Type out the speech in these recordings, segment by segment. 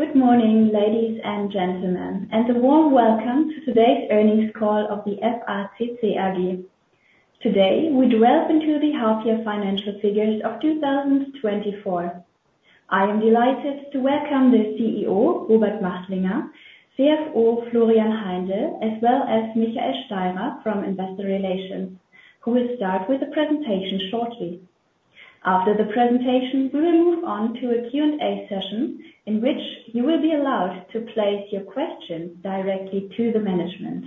Good morning, ladies and gentlemen, and a warm welcome to today's earnings call of the FACC AG. Today, we delve into the half-year financial figures of 2024. I am delighted to welcome the CEO, Robert Machtlinger, CFO, Florian Heindl, as well as Michael Steirer from Investor Relations, who will start with the presentation shortly. After the presentation, we will move on to a Q&A session, in which you will be allowed to place your question directly to the management.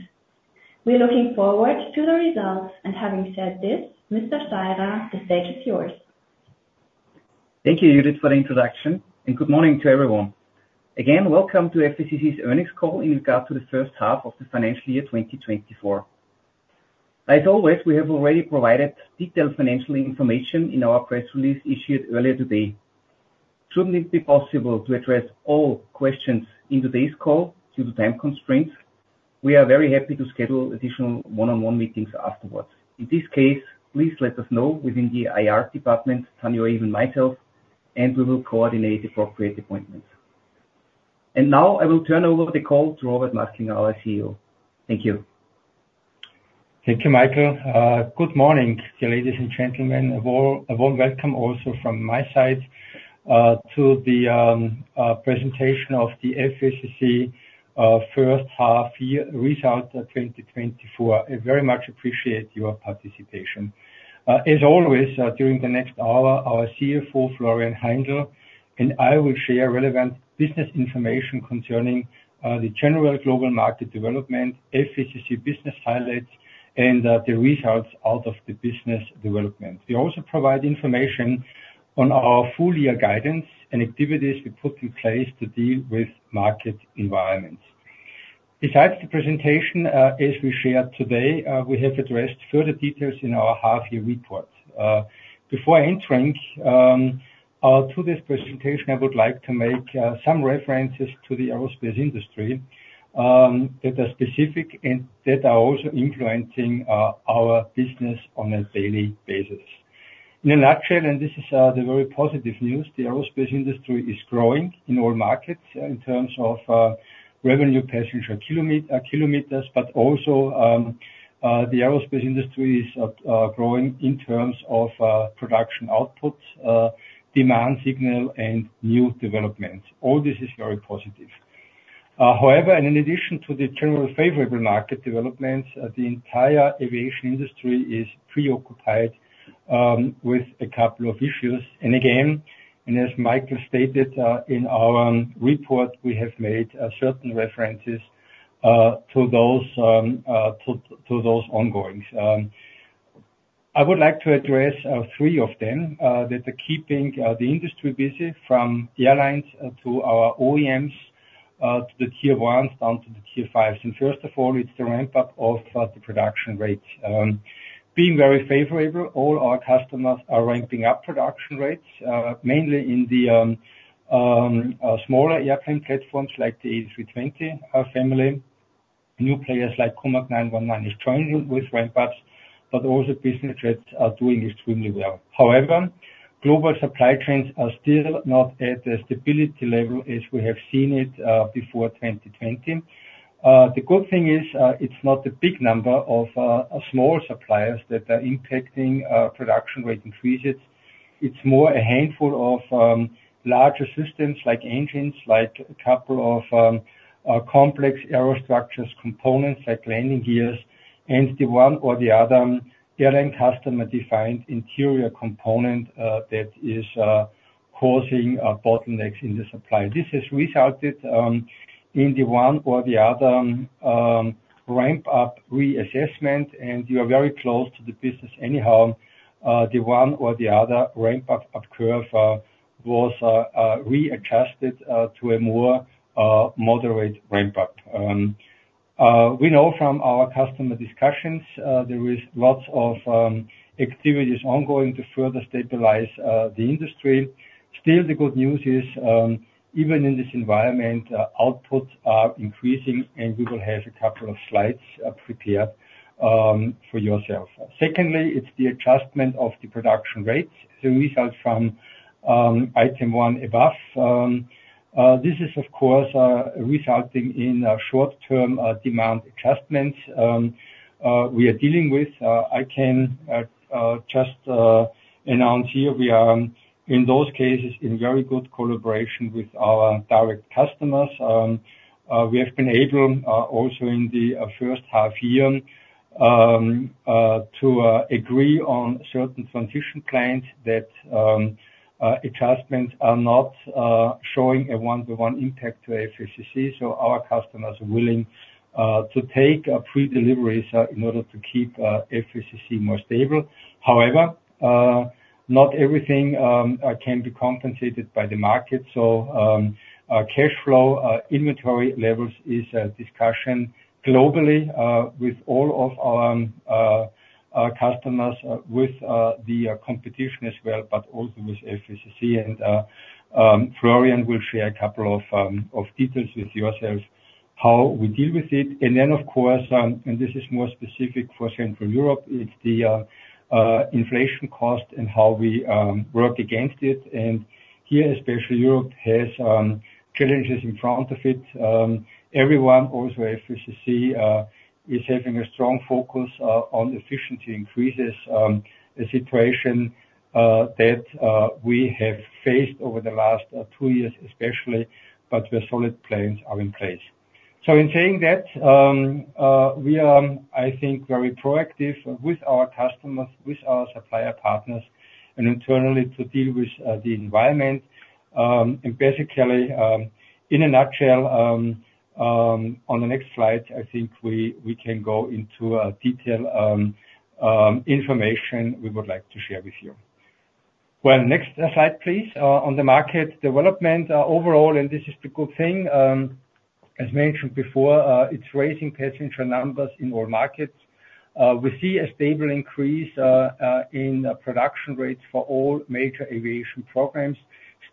We're looking forward to the results, and having said this, Mr. Steirer, the stage is yours. Thank you, Judith, for the introduction, and good morning to everyone. Again, welcome to FACC's earnings call in regard to the H1 of the financial year 2024. As always, we have already provided detailed financial information in our press release issued earlier today. Shouldn't it be possible to address all questions in today's call due to time constraints, we are very happy to schedule additional one-on-one meetings afterwards. In this case, please let us know within the IR department, Tanya or even myself, and we will coordinate appropriate appointments. And now, I will turn over the call to Robert Machtlinger, our CEO. Thank you. Thank you, Michael. Good morning, ladies and gentlemen. A warm, a warm welcome also from my side to the presentation of the FACC H1 year result of 2024. I very much appreciate your participation. As always, during the next hour, our CFO, Florian Heindl, and I will share relevant business information concerning the general global market development, FACC business highlights, and the results out of the business development. We also provide information on our full year guidance and activities we put in place to deal with market environments. Besides the presentation, as we shared today, we have addressed further details in our half year report. Before entering to this presentation, I would like to make some references to the aerospace industry that are specific and that are also influencing our business on a daily basis. In a nutshell, and this is the very positive news, the aerospace industry is growing in all markets in terms of revenue passenger kilometers, but also, the aerospace industry is growing in terms of production outputs, demand signal, and new development. All this is very positive. However, and in addition to the general favorable market developments, the entire aviation industry is preoccupied with a couple of issues. And again, and as Michael stated, in our report, we have made certain references to those, to those ongoings. I would like to address three of them that are keeping the industry busy, from airlines to our OEMs to the tier ones, down to the tier fives. First of all, it's the ramp up of the production rates. Being very favorable, all our customers are ramping up production rates mainly in the smaller airplane platforms, like the A320 family. New players like COMAC 919 is joining with ramp ups, but also business jets are doing extremely well. However, global supply chains are still not at the stability level as we have seen it before 2020. The good thing is, it's not a big number of small suppliers that are impacting production rate increases. It's more a handful of larger systems like engines, like a couple of complex aerostructures, components like landing gears, and the one or the other airline customer-defined interior component that is causing bottlenecks in the supply. This has resulted in the one or the other ramp up reassessment, and we are very close to the business anyhow. The one or the other ramp up curve was readjusted to a more moderate ramp up. We know from our customer discussions there is lots of activities ongoing to further stabilize the industry. Still, the good news is, even in this environment, outputs are increasing, and we will have a couple of slides prepared for yourself. Secondly, it's the adjustment of the production rates, the results from item one above. This is, of course, resulting in a short-term demand adjustment. We are dealing with, I can just announce here, we are, in those cases, in very good collaboration with our direct customers. We have been able, also in the H1 year, to agree on certain transition clients that adjustments are not showing a one-to-one impact to FACC, so our customers are willing to take pre-deliveries in order to keep FACC more stable. However, not everything can be compensated by the market. So, cash flow, inventory levels is a discussion globally, with all of our, our customers, with, the, competition as well, but also with FACC. And, Florian will share a couple of, of details with yourselves... how we deal with it. And then, of course, and this is more specific for Central Europe, it's the, inflation cost and how we, work against it. And here, especially, Europe has, challenges in front of it. Everyone, also FACC, is having a strong focus, on efficiency increases, a situation, that, we have faced over the last, two years especially, but where solid plans are in place. So in saying that, we are, I think, very proactive with our customers, with our supplier partners, and internally to deal with the environment. And basically, in a nutshell, on the next slide, I think we can go into detail, information we would like to share with you. Well, next slide, please. On the market development, overall, and this is the good thing, as mentioned before, it's raising passenger numbers in all markets. We see a stable increase in production rates for all major aviation programs.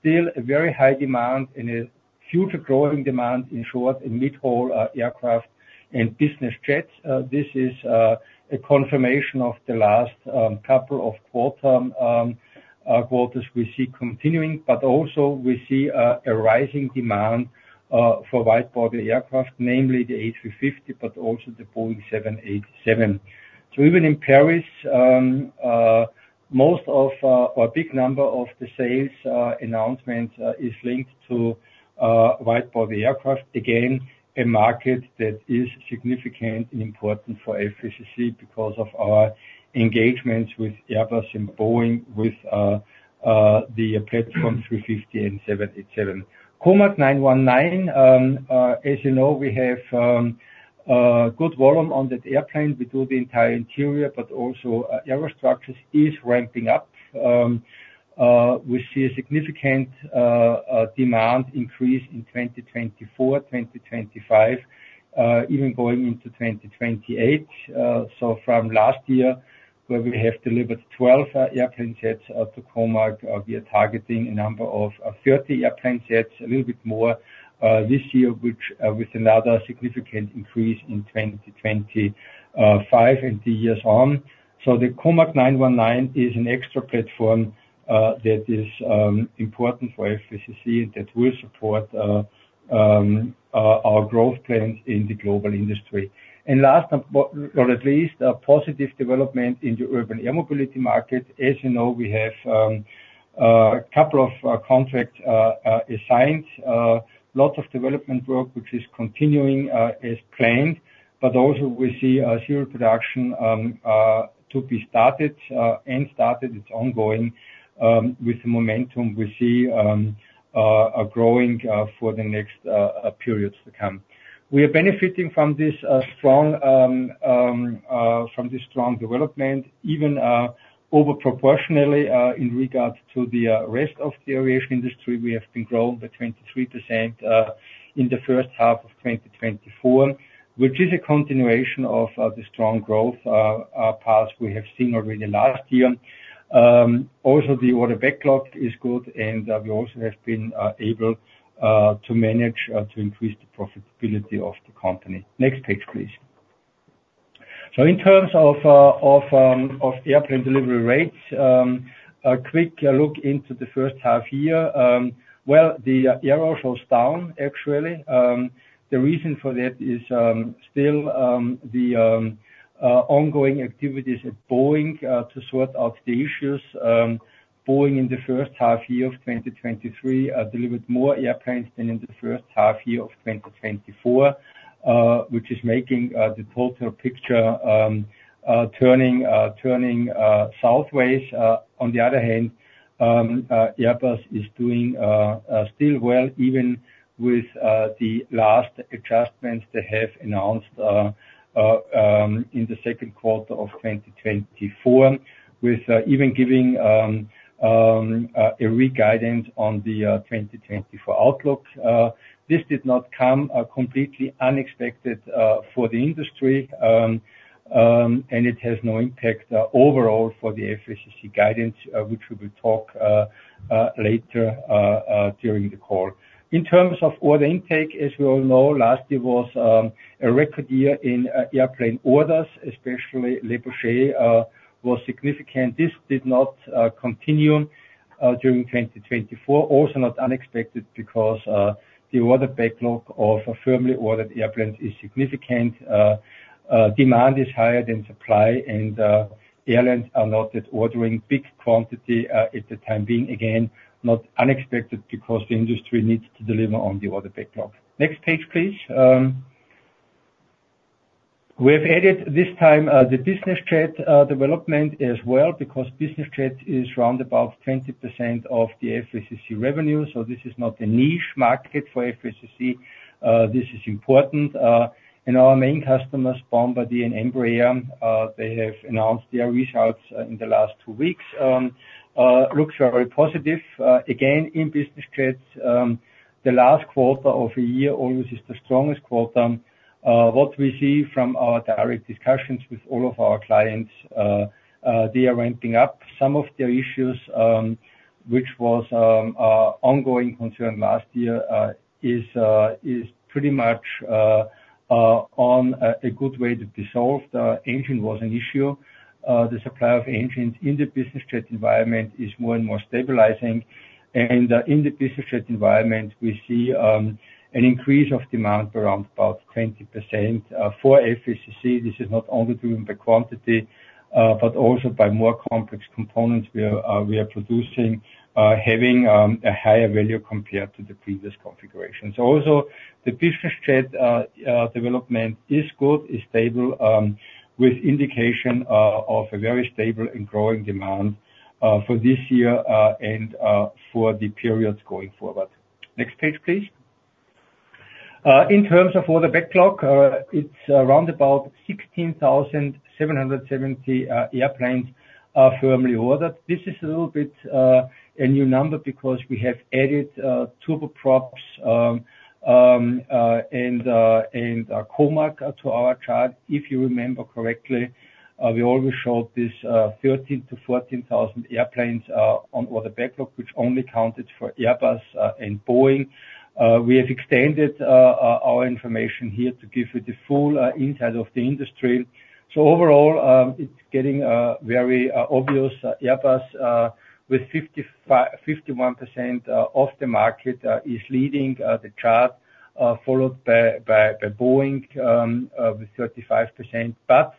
Still a very high demand and a future growing demand, in short, in mid-haul aircraft and business jets. This is a confirmation of the last couple of quarters we see continuing, but also we see a rising demand for wide-body aircraft, namely the A350, but also the Boeing 787. So even in Paris, most of or a big number of the sales announcements is linked to wide-body aircraft. Again, a market that is significantly important for FACC because of our engagements with Airbus and Boeing, with the A350 and 787. COMAC 919, as you know, we have good volume on that airplane. We do the entire interior, but also aerostructures is ramping up. We see a significant demand increase in 2024, 2025, even going into 2028. So from last year, where we have delivered 12 airplane jets to COMAC, we are targeting a number of 30 airplane jets, a little bit more this year, which with another significant increase in 2025 and the years on. So the COMAC 919 is an extra platform that is important for FACC, that will support our growth plans in the global industry. And last but not least, a positive development in the urban air mobility market. As you know, we have couple of contracts assigned lots of development work, which is continuing as planned, but also we see zero production to be started and started. It's ongoing, with the momentum we see, growing, for the next periods to come. We are benefiting from this strong, from the strong development, even over proportionally, in regards to the rest of the aviation industry. We have been growing by 23%, in the H1 of 2024, which is a continuation of the strong growth path we have seen already last year. Also, the order backlog is good, and we also have been able to manage to increase the profitability of the company. Next page, please. So in terms of airplane delivery rates, a quick look into the H1 year. Well, the A320 was down, actually. The reason for that is still the ongoing activities at Boeing to sort out the issues. Boeing, in the H1 year of 2023, delivered more airplanes than in the H1 year of 2024, which is making the total picture turning southwards. On the other hand, Airbus is doing still well, even with the last adjustments they have announced in the Q1 of 2024, with even giving a reguidance on the 2024 outlook. This did not come completely unexpected for the industry, and it has no impact overall for the FACC guidance, which we will talk later during the call. In terms of order intake, as we all know, last year was a record year in airplane orders, especially Boeing was significant. This did not continue during 2024. Also not unexpected because the order backlog of firmly ordered airplanes is significant. Demand is higher than supply, and airlines are not ordering big quantity at the time being. Again, not unexpected because the industry needs to deliver on the order backlog. Next page, please. We have added this time the business jet development as well, because business jet is around about 20% of the FACC revenue, so this is not a niche market for FACC, this is important. And our main customers, Bombardier and Embraer, they have announced their results in the last two weeks. Looks very positive. Again, in business jets, the last quarter of a year always is the strongest quarter. What we see from our direct discussions with all of our clients, they are ramping up some of their issues, which was an ongoing concern last year, is pretty much on a good way to dissolve. The engine was an issue. The supply of engines in the business jet environment is more and more stabilizing. In the business jet environment, we see an increase of demand around about 20%. For FACC, this is not only driven by quantity, but also by more complex components where we are producing, having a higher value compared to the previous configurations. Also, the business jet development is good, is stable, with indication of a very stable and growing demand for this year, and for the periods going forward. Next page, please. In terms of order backlog, it's around about 16,700 airplanes are firmly ordered. This is a little bit a new number because we have added turboprops, and COMAC to our chart. If you remember correctly, we always showed this 13-14 thousand airplanes on order backlog, which only counted for Airbus and Boeing. We have extended our information here to give you the full insight of the industry. So overall, it's getting very obvious, Airbus with 51% of the market is leading the chart, followed by Boeing with 35%. But,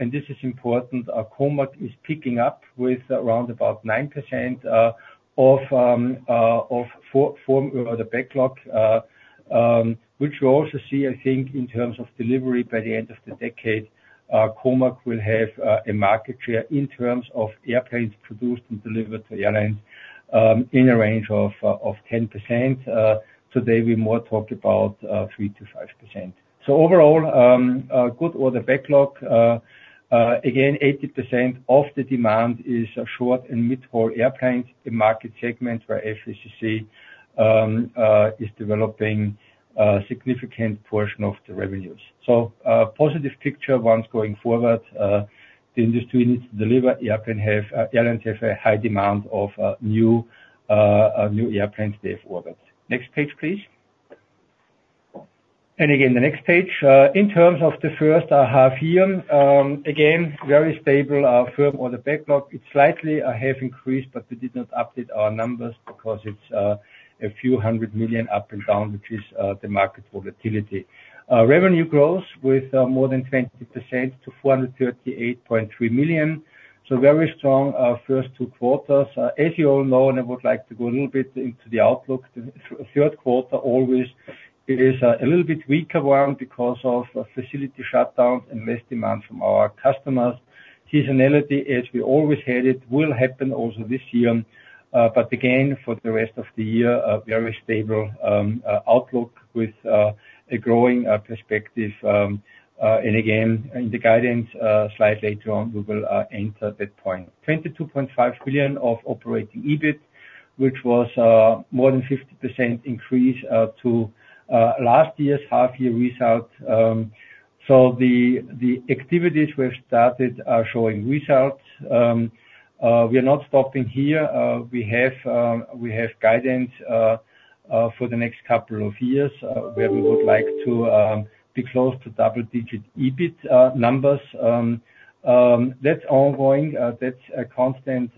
and this is important, COMAC is picking up with around about 9% of the backlog, which we also see, I think, in terms of delivery by the end of the decade, COMAC will have a market share in terms of airplanes produced and delivered to airlines in a range of 10%. Today, we more talk about 3%-5%. So overall, a good order backlog. Again, 80% of the demand is short and mid-haul airplanes, a market segment where FACC is developing a significant portion of the revenues. So, positive picture once going forward, the industry needs to deliver airplane, have, airlines have a high demand of, new, new airplanes they have ordered. Next page, please. Again, the next page. In terms of the H1 year, again, very stable, firm order backlog. It's slightly, have increased, but we did not update our numbers because it's, a few hundred million EUR up and down, which is, the market volatility. Revenue growth with, more than 20% to 438.3 million. So very strong, first two quarters. As you all know, and I would like to go a little bit into the outlook. The Q3 always is a little bit weaker one because of facility shutdowns and less demand from our customers. Seasonality, as we always had, it will happen also this year. But again, for the rest of the year, a very stable outlook with a growing perspective. And again, in the guidance slide later on, we will enter that point. 22.5 billion of operating EBIT, which was more than 50% increase to last year's half year result. So the activities we have started are showing results. We are not stopping here. We have guidance for the next couple of years, where we would like to be close to double-digit EBIT numbers. That's ongoing, that's a constant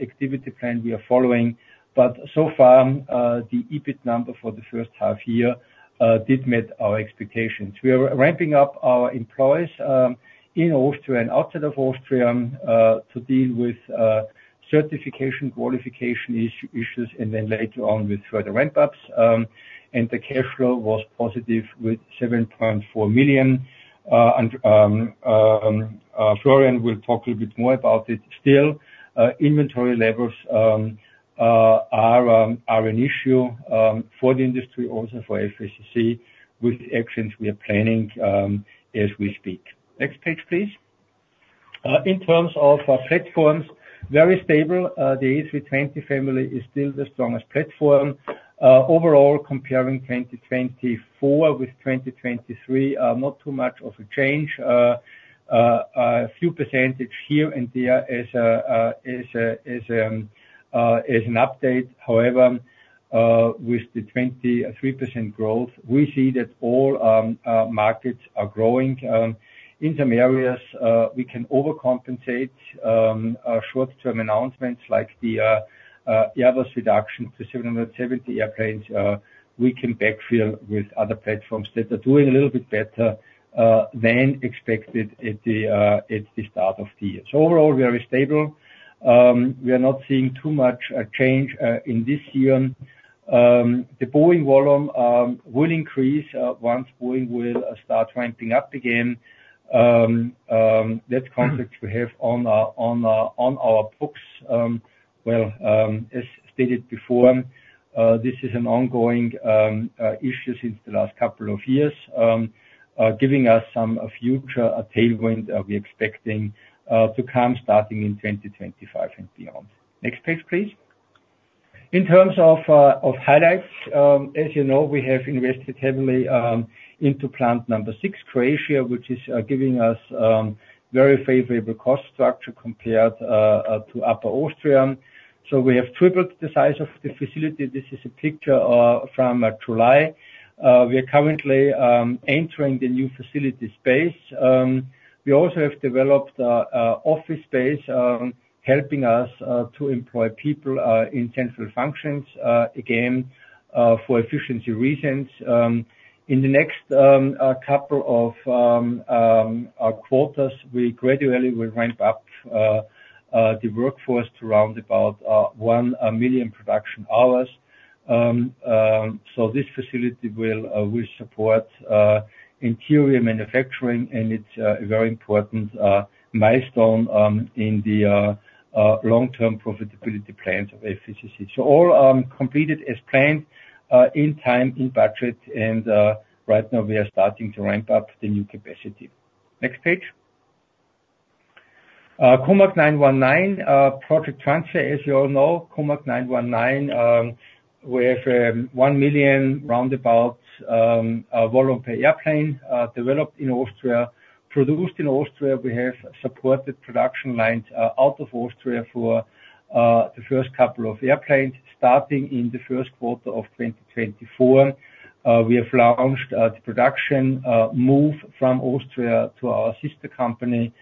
activity plan we are following. But so far, the EBIT number for the H1 year did meet our expectations. We are ramping up our employees in Austria and outside of Austria to deal with certification, qualification issues, and then later on with further ramp ups. And the cash flow was positive with 7.4 million. And Florian will talk a little bit more about it. Still, inventory levels are an issue for the industry, also for FACC, with actions we are planning as we speak. Next page, please. In terms of our platforms, very stable. The A320 family is still the strongest platform. Overall, comparing 2024 with 2023, not too much of a change. A few percentage here and there as an update. However, with the 23% growth, we see that all markets are growing. In some areas, we can overcompensate short-term announcements, like the Airbus reduction to 770 airplanes. We can backfill with other platforms that are doing a little bit better than expected at the start of the year. So overall, we are stable. We are not seeing too much change in this year. The Boeing volume will increase once Boeing will start ramping up again. That contract we have on our books. Well, as stated before, this is an ongoing issue since the last couple of years, giving us some future tailwind that we're expecting to come starting in 2025 and beyond. Next page, please. In terms of highlights, as you know, we have invested heavily into plant number six, Croatia, which is giving us very favorable cost structure compared to Upper Austria. So we have tripled the size of the facility. This is a picture from July. We are currently entering the new facility space. We also have developed an office space helping us to employ people in central functions again for efficiency reasons. In the next couple of quarters, we gradually will ramp up the workforce to around about 1 million production hours. So this facility will support interior manufacturing, and it's a very important milestone in the long-term profitability plans of FACC. So all completed as planned in time, in budget, and right now we are starting to ramp up the new capacity. Next page. COMAC 919 project transfer. As you all know, COMAC 919, we have 1 million roundabout volume per airplane developed in Austria. Produced in Austria, we have supported production lines out of Austria for the first couple of airplanes, starting in the Q1 of 2024. We have launched the production move from Austria to our sister company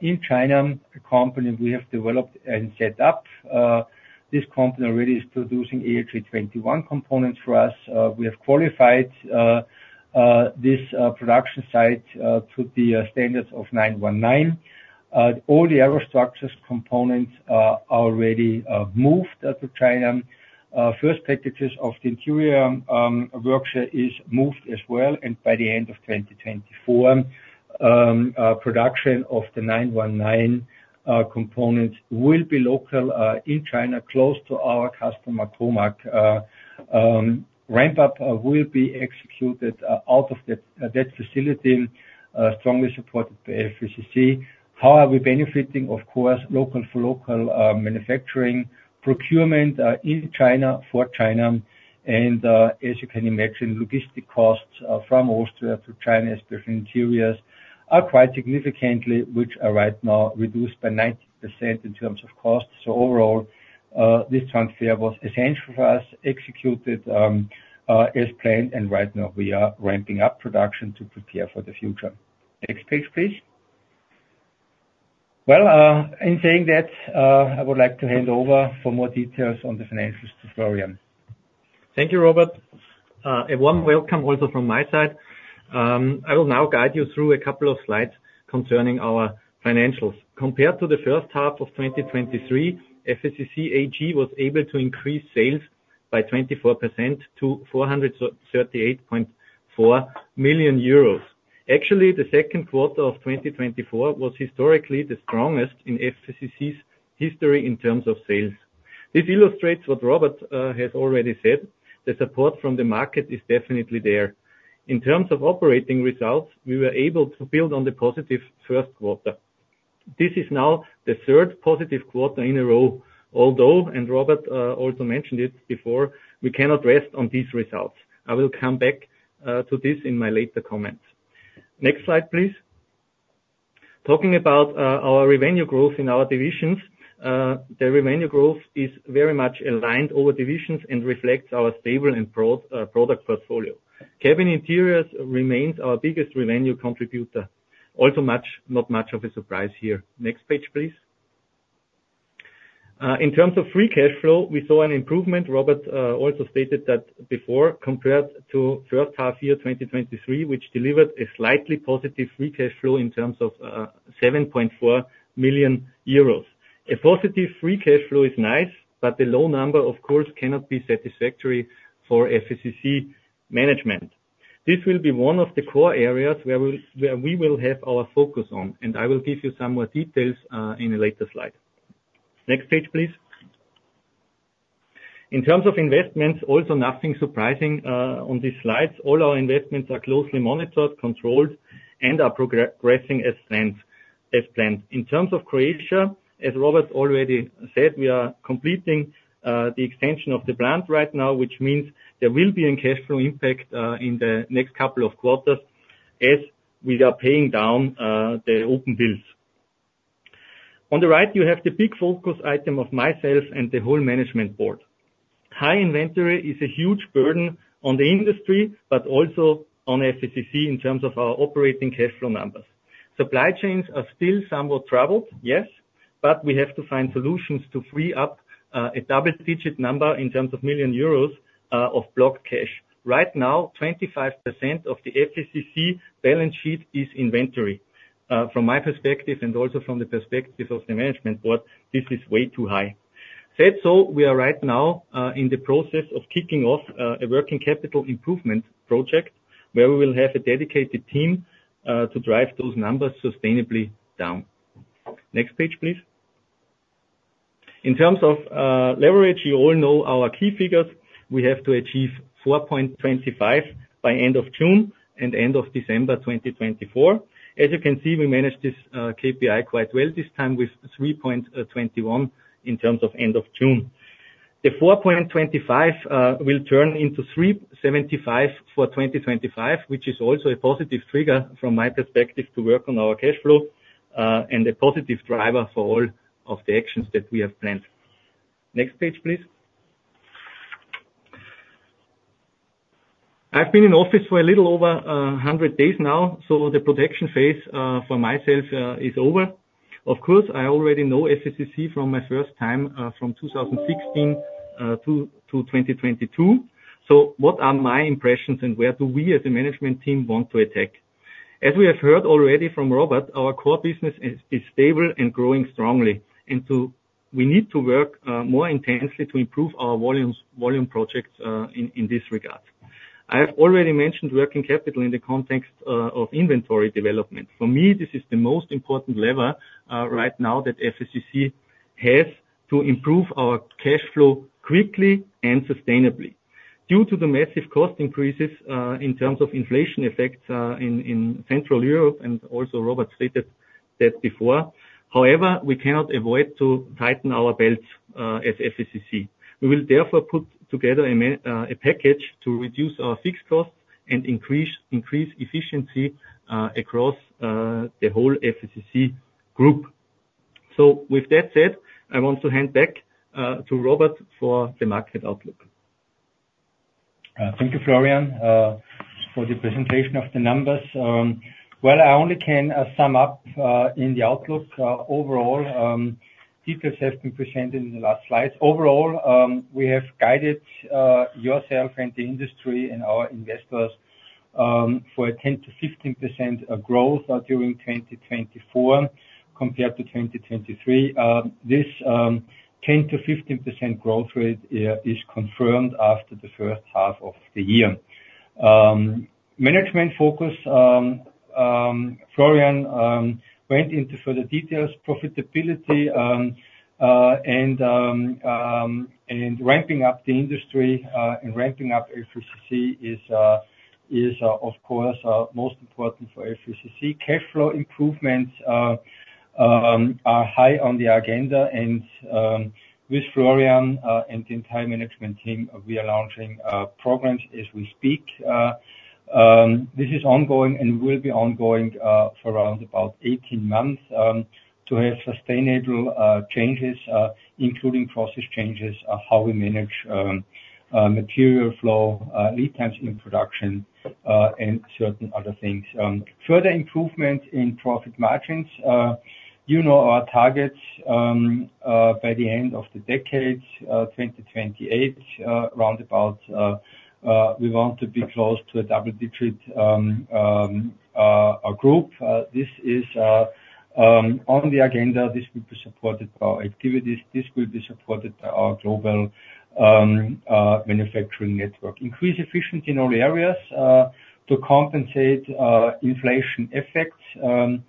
in China, a company we have developed and set up. This company already is producing A321 components for us. We have qualified this production site to the standards of 919. All the aerostructures components are already moved up to China. First packages of the interior workshop is moved as well, and by the end of 2024, production of the 919 components will be local in China, close to our customer, COMAC. Ramp up will be executed out of that that facility strongly supported by FACC. How are we benefiting? Of course, local for local manufacturing, procurement in China for China, and as you can imagine, logistic costs from Austria to China, especially interiors, are quite significantly, which are right now reduced by 90% in terms of cost. So overall, this transfer was essential for us, executed as planned, and right now we are ramping up production to prepare for the future. Next page, please. Well, in saying that, I would like to hand over for more details on the financials to Florian. Thank you, Robert. A warm welcome also from my side. I will now guide you through a couple of slides concerning our financials. Compared to the H1 of 2023, FACC AG was able to increase sales by 24% to 438.4 million euros. Actually, the Q1 of 2024 was historically the strongest in FACC's history in terms of sales. This illustrates what Robert has already said, the support from the market is definitely there. In terms of operating results, we were able to build on the positive Q1. This is now the third positive quarter in a row, although, and Robert also mentioned it before, we cannot rest on these results. I will come back to this in my later comments. Next slide, please. Talking about our revenue growth in our divisions, the revenue growth is very much aligned over divisions and reflects our stable and broad product portfolio. Cabin Interiors remains our biggest revenue contributor. Also, not much of a surprise here. Next page, please. In terms of free cash flow, we saw an improvement. Robert also stated that before, compared to H1 year, 2023, which delivered a slightly positive free cash flow in terms of 7.4 million euros. A positive free cash flow is nice, but the low number, of course, cannot be satisfactory for FACC management. This will be one of the core areas where we will have our focus on, and I will give you some more details in a later slide. Next page, please. In terms of investments, also nothing surprising on these slides. All our investments are closely monitored, controlled, and are progressing as planned, as planned. In terms of Croatia, as Robert already said, we are completing the extension of the brand right now, which means there will be a cash flow impact in the next couple of quarters as we are paying down the open bills. On the right, you have the big focus item of myself and the whole management board. High inventory is a huge burden on the industry, but also on FACC in terms of our operating cash flow numbers. Supply chains are still somewhat troubled, yes, but we have to find solutions to free up a double-digit number in terms of million EUR of blocked cash. Right now, 25% of the FACC balance sheet is inventory. From my perspective and also from the perspective of the management board, this is way too high. Said so, we are right now in the process of kicking off a working capital improvement project, where we will have a dedicated team to drive those numbers sustainably down. Next page, please. In terms of leverage, you all know our key figures. We have to achieve 4.25 by end of June and end of December 2024. As you can see, we managed this KPI quite well, this time with 3.21 in terms of end of June. The 4.25 will turn into 3.75 for 2025, which is also a positive trigger from my perspective to work on our cash flow and a positive driver for all of the actions that we have planned. Next page, please. I've been in office for a little over 100 days now, so the protection phase for myself is over. Of course, I already know FACC from my first time from 2016 to 2022. So what are my impressions, and where do we as a management team want to attack? As we have heard already from Robert, our core business is stable and growing strongly, and we need to work more intensely to improve our volumes, volume projects in this regard. I have already mentioned working capital in the context of inventory development. For me, this is the most important lever right now that FACC has to improve our cash flow quickly and sustainably. Due to the massive cost increases in terms of inflation effects in Central Europe, and also Robert stated that before. However, we cannot avoid to tighten our belts at FACC. We will therefore put together a package to reduce our fixed costs and increase efficiency across the whole FACC group. So with that said, I want to hand back to Robert for the market outlook. Thank you, Florian, for the presentation of the numbers. Well, I only can sum up in the outlook overall. Details have been presented in the last slide. Overall, we have guided yourself and the industry and our investors for a 10%-15% growth during 2024, compared to 2023. This 10%-15% growth rate is confirmed after the H1 of the year. Management focus, Florian, went into further details, profitability, and ramping up the industry and ramping up FACC is, of course, most important for FACC. Cash flow improvements are high on the agenda, and with Florian and the entire management team, we are launching programs as we speak. This is ongoing and will be ongoing for around about 18 months to have sustainable changes including process changes how we manage material flow lead times in production and certain other things. Further improvement in profit margins you know our targets by the end of the decade 2028 round about we want to be close to a double digit group. This is on the agenda. This will be supported by our activities. This will be supported by our global manufacturing network. Increase efficiency in all areas to compensate inflation effects.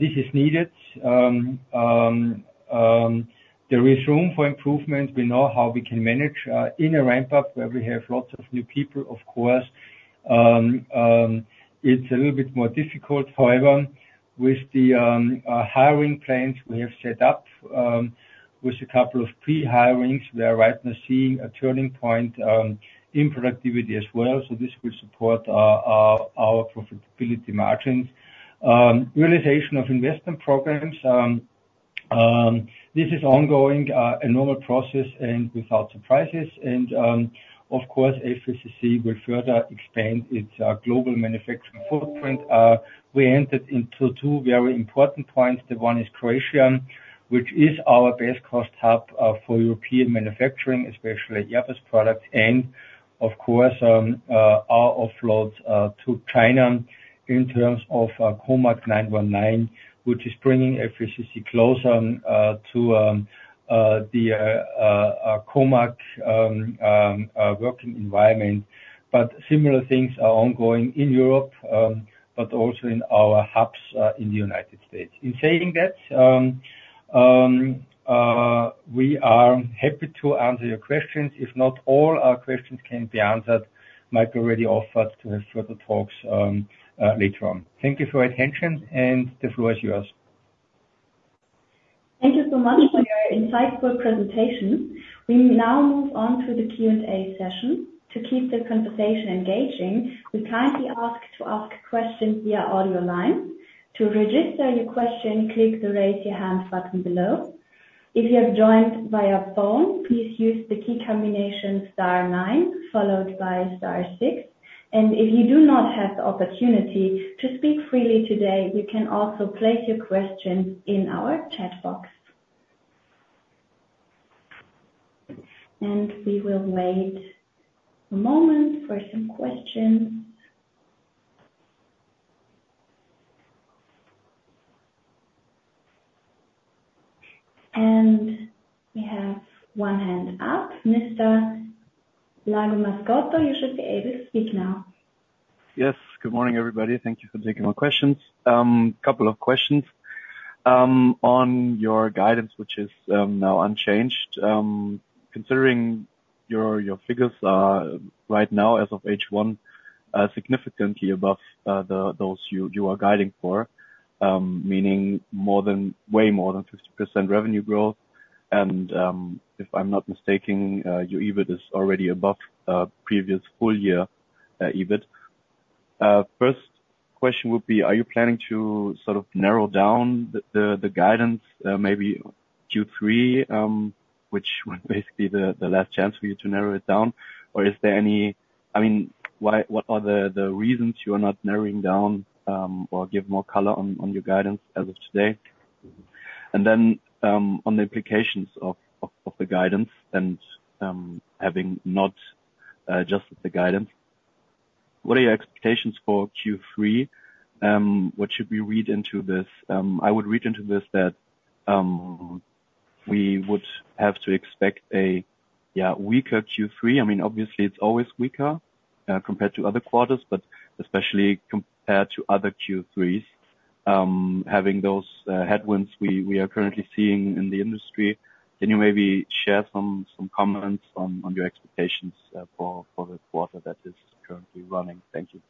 This is needed. There is room for improvement. We know how we can manage in a ramp up, where we have lots of new people, of course, it's a little bit more difficult. However, with the hiring plans we have set up, with a couple of pre-hirings, we are right now seeing a turning point in productivity as well. So this will support our profitability margins. Realization of investment programs, this is ongoing, a normal process and without surprises. And, of course, FACC will further expand its global manufacturing footprint. We entered into two very important points. The one is Croatian, which is our best cost hub for European manufacturing, especially yep, this product, and of course, our offloads to China in terms of COMAC 919, which is bringing FACC closer to the COMAC working environment. But similar things are ongoing in Europe, but also in our hubs in the United States. In saying that, we are happy to answer your questions. If not all our questions can be answered, Mike already offered to have further talks later on. Thank you for your attention, and the floor is yours. Thank you so much for your insightful presentation. We now move on to the Q&A session. To keep the conversation engaging, we kindly ask to ask questions via audio line. To register your question, click the Raise Your Hand button below. If you have joined via phone, please use the key combination star nine, followed by star six, and if you do not have the opportunity to speak freely today, you can also place your question in our chat box. We will wait a moment for some questions. We have one hand up. Mr. Lago Mascotto, you should be able to speak now.… Yes, good morning, everybody. Thank you for taking my questions. Couple of questions. On your guidance, which is now unchanged, considering your figures are right now, as of H1, significantly above those you are guiding for, meaning more than, way more than 50% revenue growth. And, if I'm not mistaking, your EBIT is already above previous full year EBIT. First question would be: Are you planning to sort of narrow down the guidance, maybe Q3, which was basically the last chance for you to narrow it down? Or is there any—I mean, why—what are the reasons you are not narrowing down, or give more color on your guidance as of today? On the implications of the guidance and having not adjusted the guidance, what are your expectations for Q3? What should we read into this? I would read into this that we would have to expect a yeah weaker Q3. I mean, obviously, it's always weaker compared to other quarters, but especially compared to other Q3s. Having those headwinds we are currently seeing in the industry, can you maybe share some comments on your expectations for the quarter that is currently running? Thank you.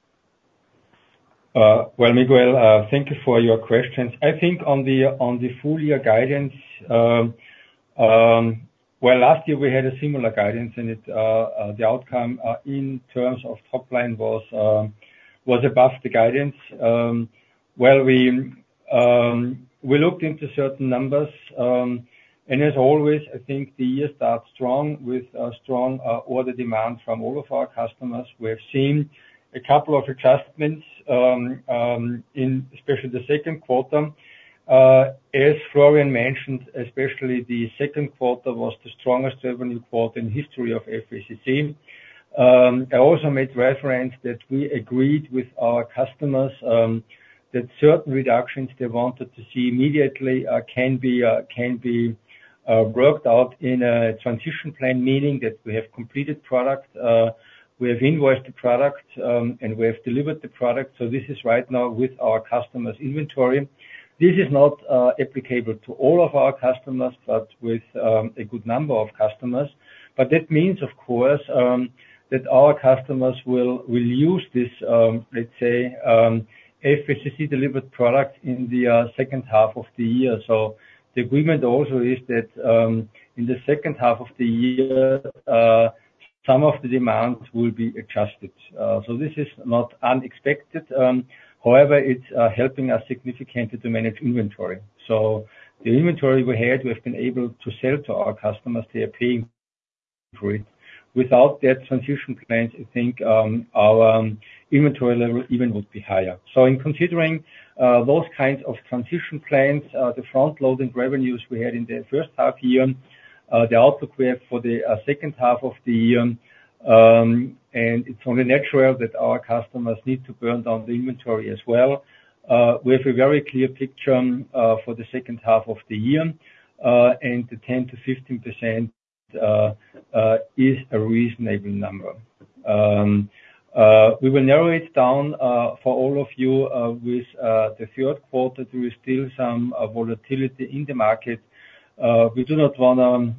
Well, Miguel, thank you for your questions. I think on the full year guidance, well, last year we had a similar guidance, and the outcome in terms of top line was above the guidance. Well, we looked into certain numbers, and as always, I think the year starts strong, with a strong order demand from all of our customers. We have seen a couple of adjustments in especially the Q1. As Florian mentioned, especially the Q1 was the strongest revenue quarter in history of FACC. I also made reference that we agreed with our customers that certain reductions they wanted to see immediately can be worked out in a transition plan, meaning that we have completed product, we have invoiced the product, and we have delivered the product. So this is right now with our customers' inventory. This is not applicable to all of our customers, but with a good number of customers. But that means, of course, that our customers will use this, let's say, FACC delivered product in the H2 of the year. So the agreement also is that in the H2 of the year some of the demands will be adjusted. So this is not unexpected, however, it's helping us significantly to manage inventory. So the inventory we had, we have been able to sell to our customers. They are paying for it. Without that transition plan, I think, our inventory level even would be higher. So in considering those kinds of transition plans, the frontloading revenues we had in the H1 year, the output we have for the H2 of the year, and it's only natural that our customers need to burn down the inventory as well. We have a very clear picture for the H2 of the year, and the 10%-15% is a reasonable number. We will narrow it down for all of you with the Q3. There is still some volatility in the market. We do not wanna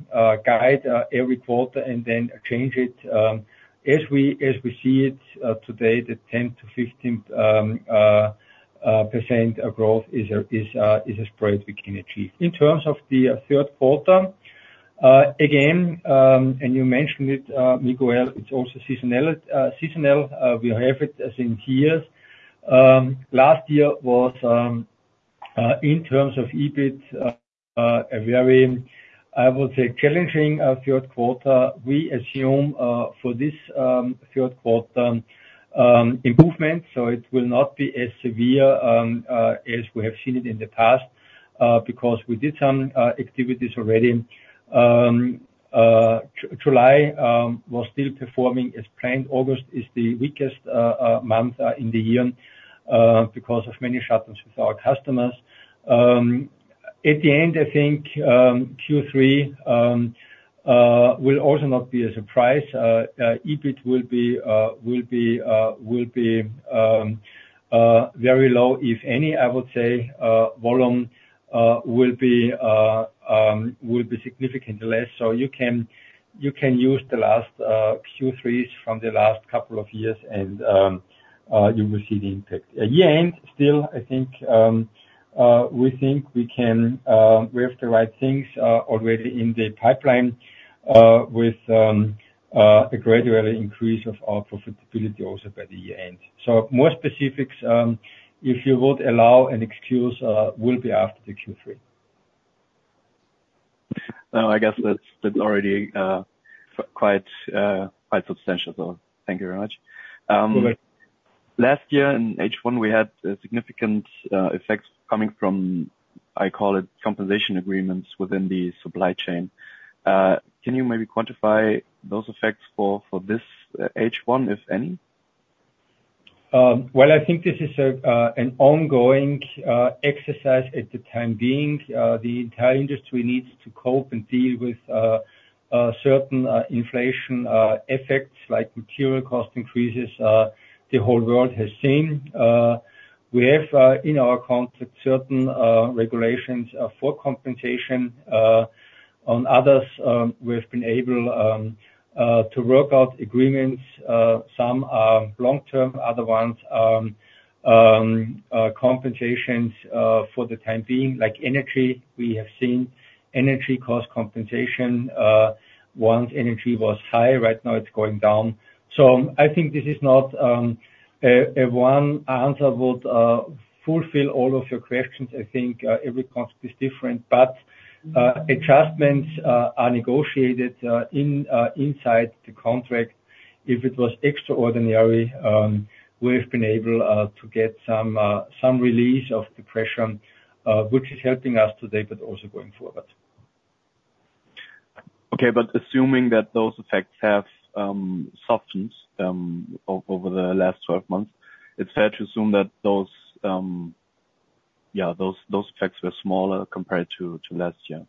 guide every quarter and then change it. As we see it today, the 10%-15% of growth is a spread we can achieve. In terms of the Q3, again, and you mentioned it, Miguel, it's also seasonal. We have it as in years. Last year was in terms of EBIT a very, I would say, challenging Q3. We assume for this Q3 improvement, so it will not be as severe as we have seen it in the past because we did some activities already. July was still performing as planned. August is the weakest month in the year because of many shutdowns with our customers. At the end, I think, Q3 will also not be a surprise. EBIT will be very low, if any, I would say, volume will be significantly less. So you can use the last Q3s from the last couple of years, and you will see the impact. At year-end, still, I think, we think we can, we have the right things already in the pipeline, with a gradual increase of our profitability also by the end. So more specifics, if you would allow an excuse, will be after the Q3. Well, I guess that's, that's already, quite, quite substantial, so thank you very much. All right. Last year in H1, we had a significant effect coming from, I call it compensation agreements within the supply chain. Can you maybe quantify those effects for, for this H1, if any? Well, I think this is an ongoing exercise at the time being. The entire industry needs to cope and deal with certain inflation effects, like material cost increases, the whole world has seen. We have in our contract certain regulations for compensation. On others, we've been able to work out agreements, some are long term, other ones are compensations for the time being, like energy. We have seen energy cost compensation, once energy was high, right now it's going down. So I think this is not a one answer would fulfill all of your questions. I think every contract is different, but adjustments are negotiated inside the contract. If it was extraordinary, we've been able to get some relief of the pressure, which is helping us today, but also going forward. Okay. But assuming that those effects have softened over the last 12 months, it's fair to assume that those effects were smaller compared to last year.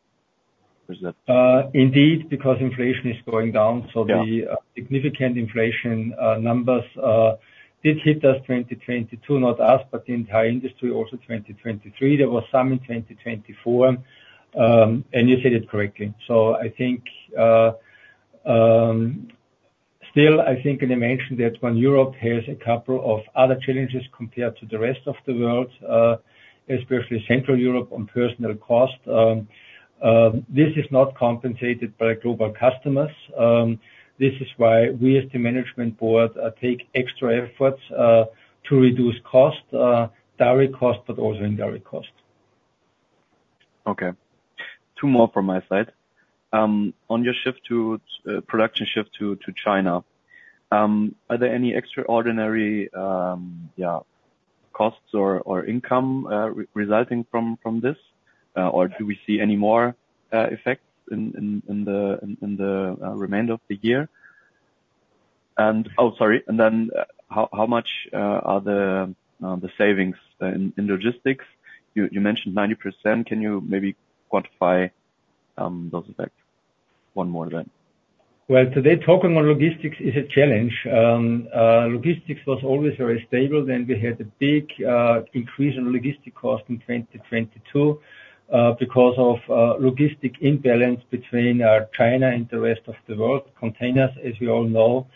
Is that? Indeed, because inflation is going down. Yeah. So the significant inflation numbers did hit us 2022, not us, but the entire industry, also 2023. There was some in 2024, and you said it correctly. So I think, still, I think, and I mentioned that when Europe has a couple of other challenges compared to the rest of the world, especially Central Europe, on personnel cost, this is not compensated by global customers. This is why we, as the management board, take extra efforts to reduce costs, direct costs, but also indirect costs. Okay. Two more from my side. On your shift to production shift to China, are there any extraordinary costs or income resulting from this? Or do we see any more effects in the remainder of the year? And then, how much are the savings in logistics? You mentioned 90%. Can you maybe quantify those effects? One more then. Well, today, talking on logistics is a challenge. Logistics was always very stable, then we had a big increase in logistics cost in 2022, because of logistics imbalance between China and the rest of the world. Containers, as we all know,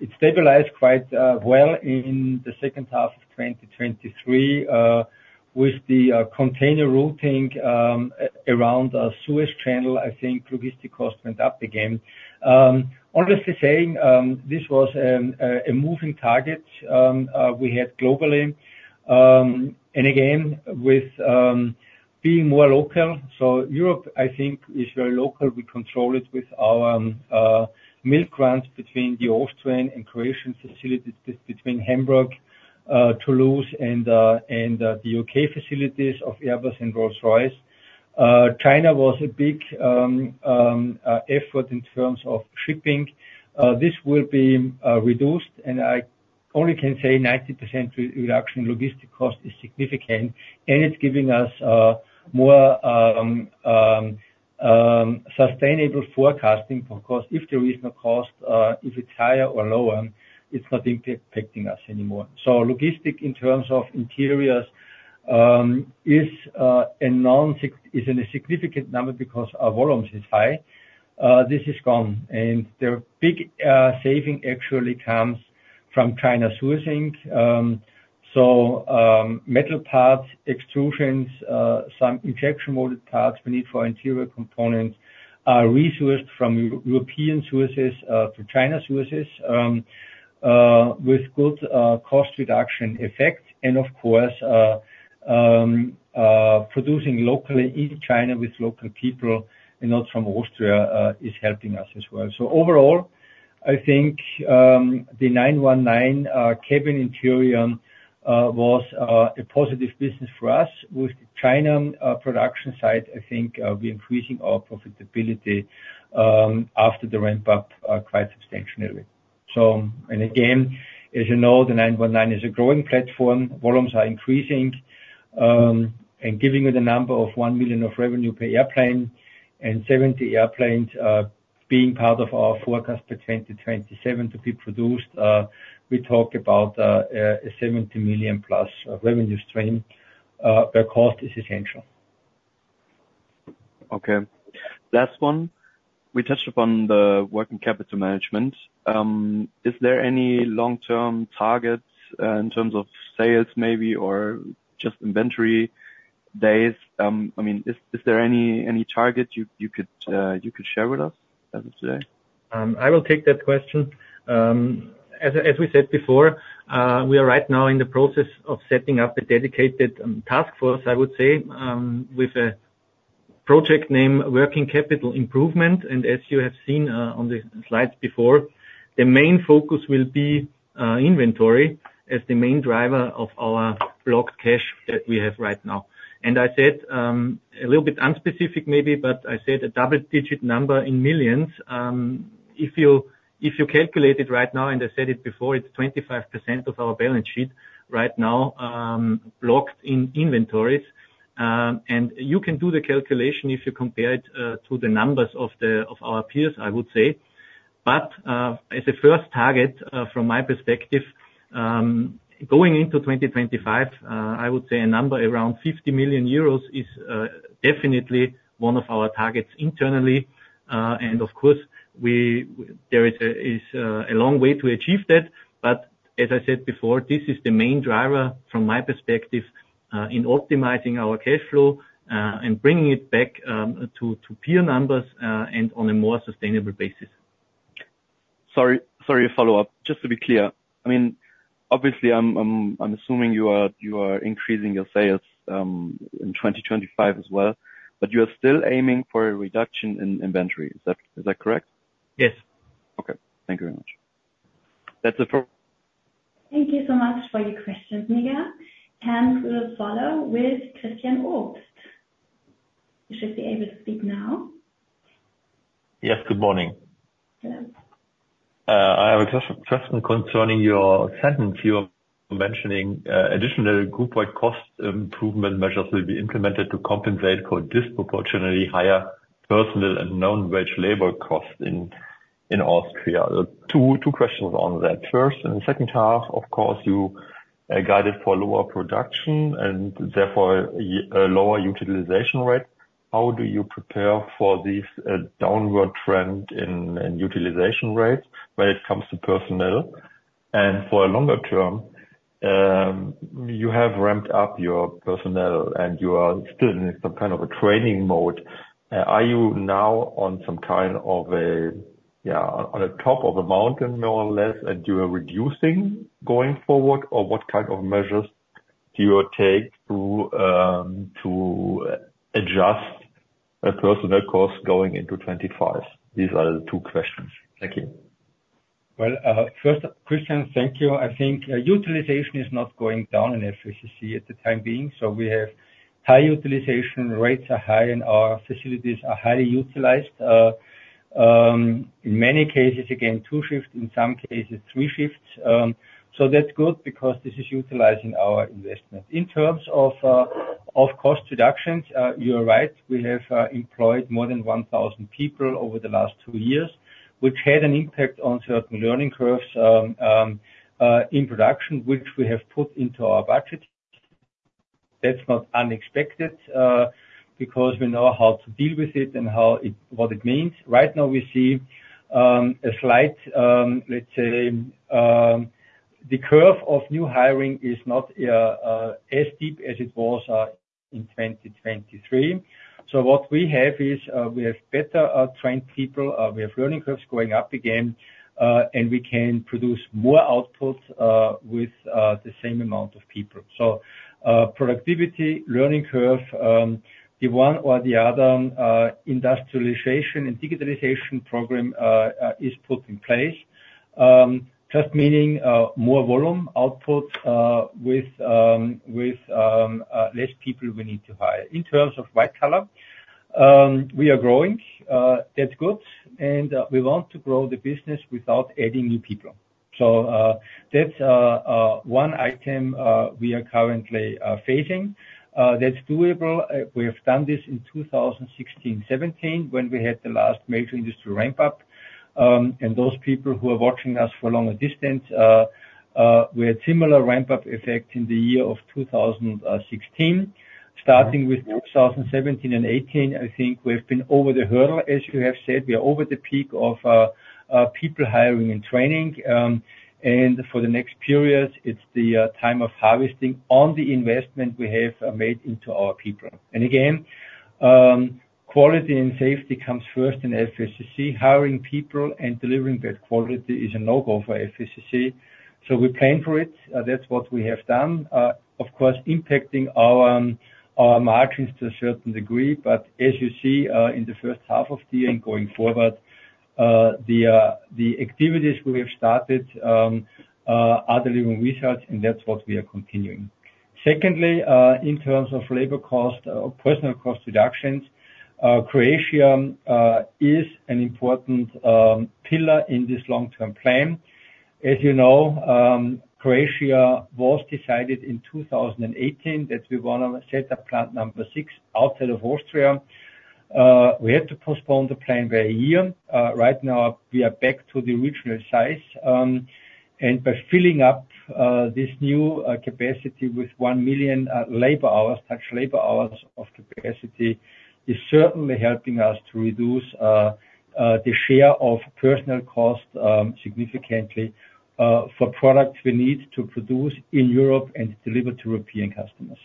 it stabilized quite well in the H2 of 2023. With the container routing around Suez Canal, I think logistics cost went up again. Honestly saying, this was a moving target we had globally, and again, with being more local. So Europe, I think, is very local. We control it with our milk runs between the Austrian and Croatian facilities, between Hamburg, Toulouse, and the U.K. facilities of Airbus and Rolls-Royce. China was a big effort in terms of shipping. This will be reduced, and I only can say 90% reduction in logistics cost is significant, and it's giving us more sustainable forecasting. Of course, if there is no cost, if it's higher or lower, it's not impacting us anymore. So logistics, in terms of interiors, is a non-significant, is in a significant number because our volumes is high. This is gone, and the big saving actually comes from China sourcing. So, metal parts, extrusions, some injection molded parts we need for interior components, are resourced from European sources to China sources, with good cost reduction effect, and of course, producing locally in China with local people and not from Austria, is helping us as well. So overall, I think, the 919 cabin interior was a positive business for us. With China production site, I think, we're increasing our profitability after the ramp up quite substantially. So, and again, as you know, the 919 is a growing platform. Volumes are increasing, and giving you the number of 1 million of revenue per airplane and 70 airplanes, being part of our forecast for 2027 to be produced, we talk about a 70 million plus revenue stream, where cost is essential. Okay. Last one. We touched upon the working capital management. Is there any long-term targets in terms of sales maybe, or just inventory days? I mean, is there any targets you could share with us as of today? I will take that question. As we said before, we are right now in the process of setting up a dedicated task force, I would say, with a project name, Working Capital Improvement. As you have seen on the slides before, the main focus will be inventory as the main driver of our blocked cash that we have right now. I said a little bit unspecific maybe, but I said a double-digit number in millions. If you calculate it right now, and I said it before, it's 25% of our balance sheet right now blocked in inventories. And you can do the calculation if you compare it to the numbers of our peers, I would say. As a first target, from my perspective, going into 2025, I would say a number around 50 million euros is definitely one of our targets internally. And of course, there is a long way to achieve that, but as I said before, this is the main driver from my perspective, in optimizing our cash flow, and bringing it back to peer numbers, and on a more sustainable basis. Sorry, sorry, a follow-up. Just to be clear, I mean, obviously, I'm assuming you are increasing your sales in 2025 as well, but you are still aiming for a reduction in inventory. Is that correct? Yes. Okay. Thank you very much. That's the first- Thank you so much for your questions, Miguel. We'll follow with Christian Obst. You should be able to speak now. Yes, good morning. Yes. I have a question concerning your sentence. You're mentioning additional group-wide cost improvement measures will be implemented to compensate for disproportionately higher personnel and non-wage labor costs in Austria. Two questions on that. H1, in the H2, of course, you guided for lower production and therefore lower utilization rate. How do you prepare for this downward trend in utilization rate when it comes to personnel? And for a longer term, you have ramped up your personnel, and you are still in some kind of a training mode. Are you now on some kind of a, yeah, on a top of a mountain, more or less, and you are reducing going forward? Or what kind of measures do you take to adjust personnel cost going into 25? These are the two questions. Thank you. Well, first, Christian, thank you. I think, utilization is not going down in FACC at the time being, so we have high utilization, rates are high, and our facilities are highly utilized. In many cases, again, two shifts, in some cases, three shifts. So that's good because this is utilizing our investment. In terms of, of cost reductions, you're right, we have employed more than 1,000 people over the last two years, which had an impact on certain learning curves, in production, which we have put into our budget. That's not unexpected, because we know how to deal with it and how it - what it means. Right now, we see, a slight, let's say, the curve of new hiring is not, as deep as it was, in 2023. So what we have is, we have better trained people, we have learning curves going up again, and we can produce more output with the same amount of people. So, productivity, learning curve, the one or the other, industrialization and digitalization program is put in place. Just meaning more volume output with less people we need to hire. In terms of white collar, we are growing, that's good, and we want to grow the business without adding new people. So, that's one item we are currently facing. That's doable. We have done this in 2016, 2017, when we had the last major industry ramp up. Those people who are watching us for a longer distance, we had similar ramp-up effect in the year of 2016. Starting with 2017 and 2018, I think we've been over the hurdle. As you have said, we are over the peak of people hiring and training. And for the next periods, it's the time of harvesting on the investment we have made into our people. And again, quality and safety comes first in FACC. Hiring people and delivering that quality is a no-go for FACC. So we're paying for it. That's what we have done. Of course, impacting our margins to a certain degree. But as you see, in the H1 of the year and going forward, the activities we have started are delivering results, and that's what we are continuing. Secondly, in terms of labor cost, personnel cost reductions, Croatia is an important pillar in this long-term plan. As you know, Croatia was decided in 2018, that we wanna set up plant number 6 outside of Austria. We had to postpone the plan by a year. Right now, we are back to the original size. And by filling up this new capacity with 1 million labor hours, such labor hours of capacity, is certainly helping us to reduce the share of personnel cost significantly, for products we need to produce in Europe and deliver to European customers.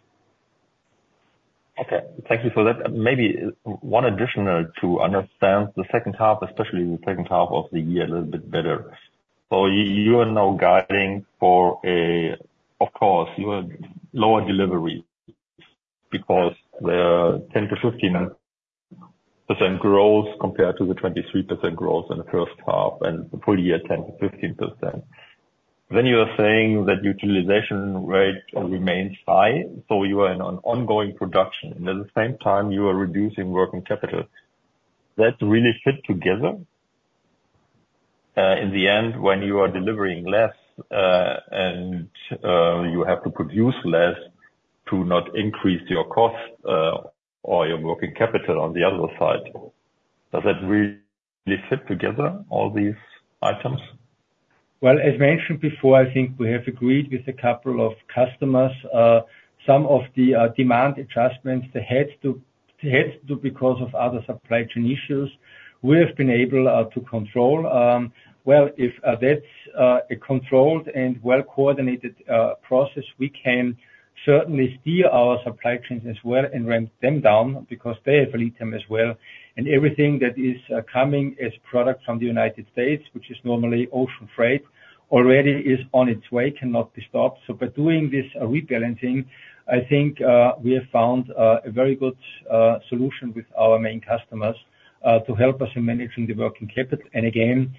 Okay, thank you for that. Maybe one additional to understand the H2, especially in the H2 of the year, a little bit better. So you are now guiding for a, of course, you are lower delivery because the 10%-15% growth compared to the 23% growth in the H1 and the full year, 10%-15%. Then you are saying that utilization rate remains high, so you are in an ongoing production, and at the same time, you are reducing working capital. That really fit together? In the end, when you are delivering less, and you have to produce less to not increase your cost, or your working capital on the other side. Does that really fit together, all these items? Well, as mentioned before, I think we have agreed with a couple of customers, some of the, demand adjustments they had to, they had to because of other supply chain issues. We have been able, to control. Well, if, that's, a controlled and well-coordinated, process, we can certainly steer our supply chains as well and ramp them down because they have lead time as well. And everything that is, coming as product from the United States, which is normally ocean freight, already is on its way, cannot be stopped. So by doing this rebalancing, I think, we have found, a very good, solution with our main customers, to help us in managing the working capital. And again,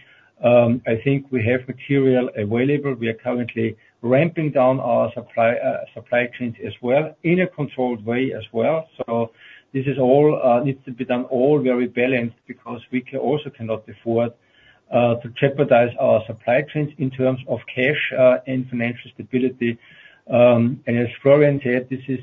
I think we have material available. We are currently ramping down our supply, supply chains as well, in a controlled way as well. So this is all, needs to be done all very balanced, because we can also cannot afford, to jeopardize our supply chains in terms of cash, and financial stability. And as Florian said, this is,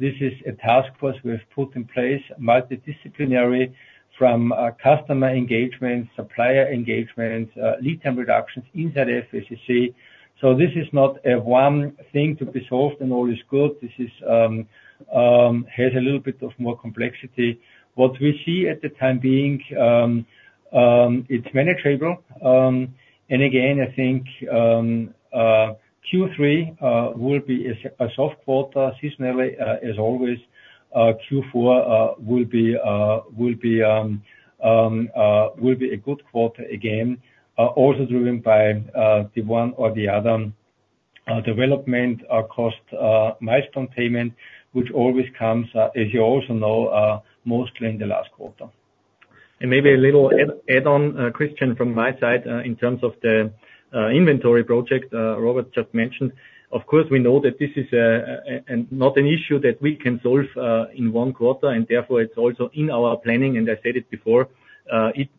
this is a task force we have put in place, multidisciplinary, from, customer engagement, supplier engagement, lead time reductions inside FACC. So this is not a one thing to be solved and all is good. This is, has a little bit of more complexity. What we see at the time being, it's manageable. And again, I think, Q3, will be a soft quarter, seasonally, as always. Q4 will be a good quarter again, also driven by the one or the other development cost milestone payment, which always comes, as you also know, mostly in the last quarter. And maybe a little add-on, Christian, from my side, in terms of the inventory project Robert just mentioned. Of course, we know that this is not an issue that we can solve in one quarter, and therefore it's also in our planning, and I said it before,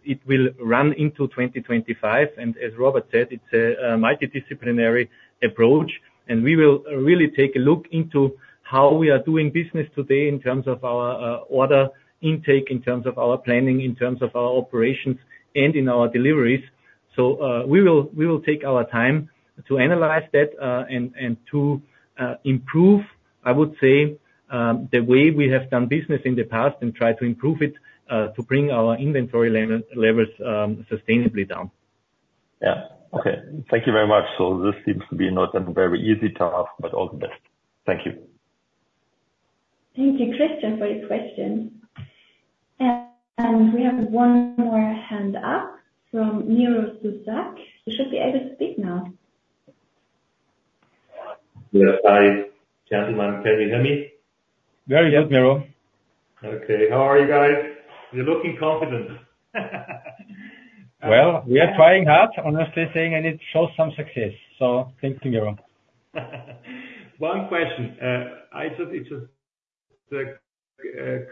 it will run into 2025. And as Robert said, it's a multidisciplinary approach, and we will really take a look into how we are doing business today in terms of our order intake, in terms of our planning, in terms of our operations, and in our deliveries. So, we will take our time to analyze that and to improve, I would say, the way we have done business in the past and try to improve it to bring our inventory levels sustainably down. Yeah. Okay. Thank you very much. So this seems to be not a very easy task, but all the best. Thank you. Thank you, Christian, for your question. We have one more hand up from Miro Zuzak. You should be able to speak now. Yes, hi, gentlemen. Can you hear me? Very yes, Miro. Okay. How are you guys? You're looking confident. Well, we are trying hard, honestly saying, and it shows some success, so thank you, Miro. One question. I thought it just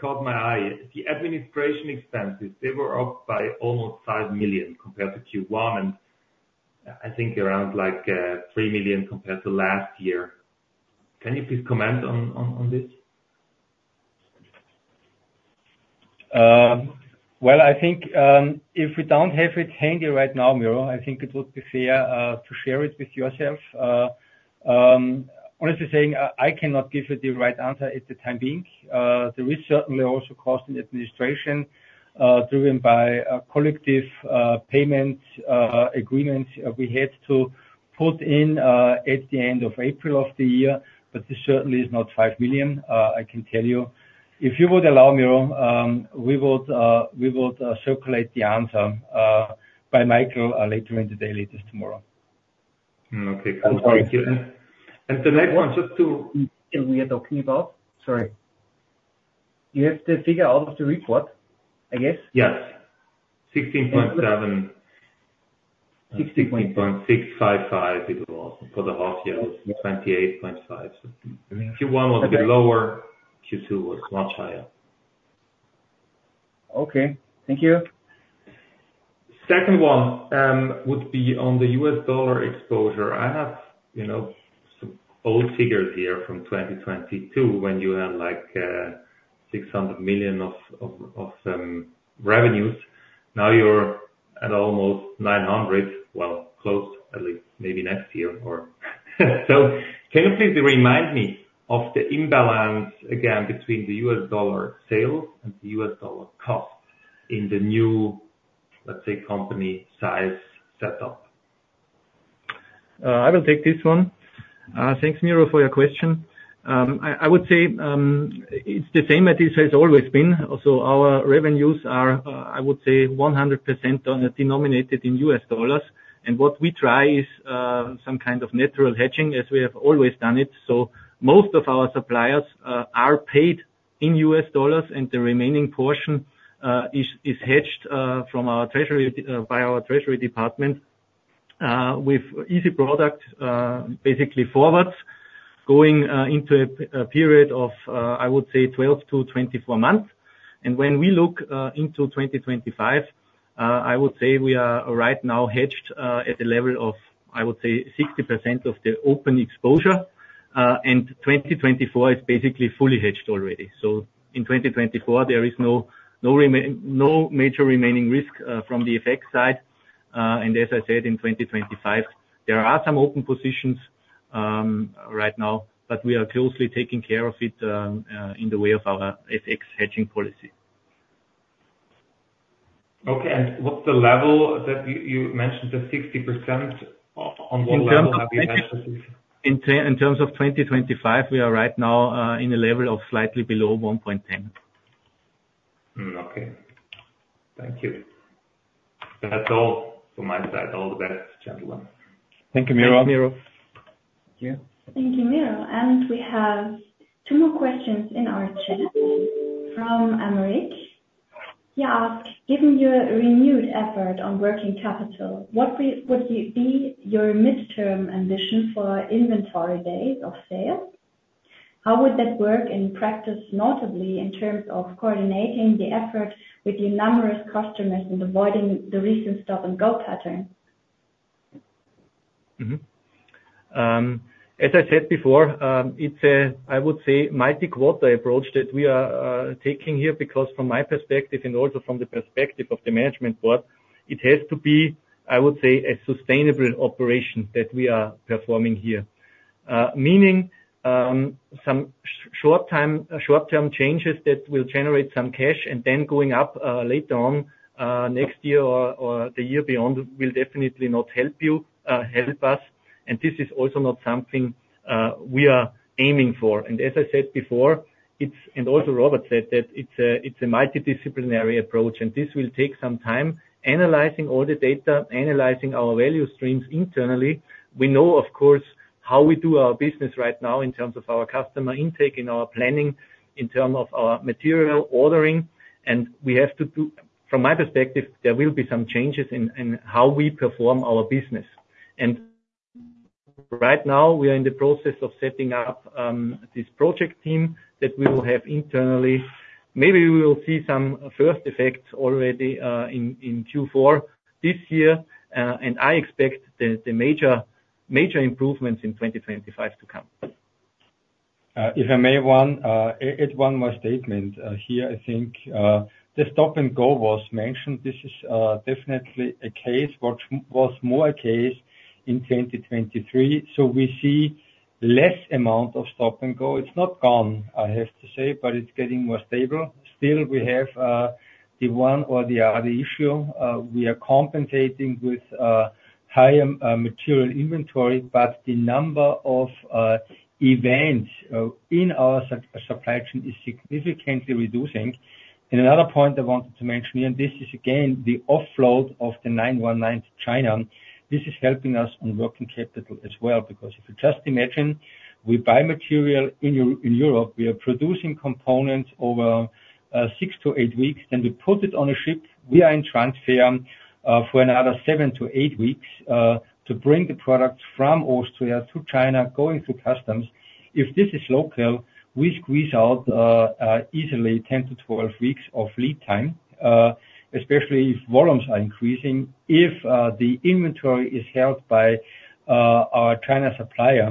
caught my eye. The administration expenses, they were up by almost 5 million compared to Q1, and I think around, like, 3 million compared to last year. Can you please comment on this? Well, I think, if we don't have it handy right now, Miro, I think it would be fair to share it with yourself. Honestly saying, I cannot give you the right answer at the time being. There is certainly also cost in the administration, driven by a collective payment agreement we had to put in at the end of April of the year, but this certainly is not 5 million, I can tell you. If you would allow, Miro, we would circulate the answer by Michael later in the day, latest tomorrow. Okay, cool. Thank you. And the next one, just to- We are talking about? Sorry. You have the figure out of the report, I guess? Yes. 16.7. 16.655, it was. For the half year, it was 28.5. Q1 was a bit lower, Q2 was much higher. Okay, thank you. Second one, would be on the U.S. dollar exposure. I have, you know, some old figures here from 2022, when you had, like, $600 million of revenues. Now you're at almost $900 million, well, close, at least, maybe next year, or... So can you please remind me of the imbalance again between the U.S. dollar sales and the U.S. dollar costs in the new, let's say, company size setup? I will take this one. Thanks, Miro, for your question. I would say, it's the same as it has always been. Also, our revenues are, I would say 100% denominated in US dollars. And what we try is, some kind of natural hedging, as we have always done it. So most of our suppliers are paid in US dollars, and the remaining portion is hedged by our treasury department with easy products, basically forwards, going into a period of, I would say 12-24 months... When we look into 2025, I would say we are right now hedged at the level of, I would say, 60% of the open exposure, and 2024 is basically fully hedged already. In 2024, there is no major remaining risk from the effect side. And as I said, in 2025, there are some open positions right now, but we are closely taking care of it in the way of our FX hedging policy. Okay, and what's the level that you, you mentioned the 60%, on what level have you hedged this? In terms of 2025, we are right now in a level of slightly below 1.10. Okay. Thank you. That's all from my side. All the best, gentlemen. Thank you, Miro. Thank you, Miro. And we have two more questions in our chat. From Emerick. He asked: Given your renewed effort on working capital, what would be your midterm ambition for inventory days of sale? How would that work in practice, notably in terms of coordinating the effort with your numerous customers and avoiding the recent stop-and-go pattern? Mm-hmm. As I said before, it's a, I would say, multi-quarter approach that we are taking here, because from my perspective, and also from the perspective of the management board, it has to be, I would say, a sustainable operation that we are performing here. Meaning, some short-term changes that will generate some cash and then going up, later on, next year or, or the year beyond, will definitely not help you, help us, and this is also not something we are aiming for. As I said before, and also Robert said, that it's a, it's a multidisciplinary approach, and this will take some time analyzing all the data, analyzing our value streams internally. We know, of course, how we do our business right now in terms of our customer intake, in our planning, in terms of our material ordering, and we have to do... From my perspective, there will be some changes in, in how we perform our business. And right now, we are in the process of setting up this project team that we will have internally. Maybe we will see some first effects already in, in Q4 this year, and I expect the, the major, major improvements in 2025 to come. If I may add one more statement. Here, I think, the stop-and-go was mentioned. This is definitely a case, which was more a case in 2023. So we see less amount of stop-and-go. It's not gone, I have to say, but it's getting more stable. Still, we have the one or the other issue. We are compensating with higher material inventory, but the number of events in our supply chain is significantly reducing. And another point I wanted to mention, and this is again, the offload of the 919 to China. This is helping us on working capital as well, because if you just imagine, we buy material in Europe, we are producing components over 6-8 weeks, then we put it on a ship. We are in transit for another 7-8 weeks to bring the product from Austria to China, going through customs. If this is local, we squeeze out easily 10-12 weeks of lead time, especially if volumes are increasing. If the inventory is held by our China supplier,